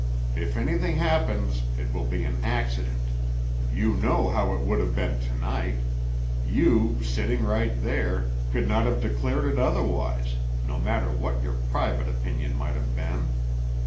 If anything happens it will be an accident; you know how it would have been to night. You, sitting right there, could not have declared it otherwise, no matter what your private opinion might have been.